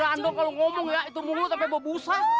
wah negrando kalau ngomong ya itu mulutnya bahwa busa